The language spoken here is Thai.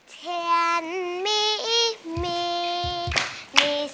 เทียนมีมีมีเศร้าแต่เทียนมีมี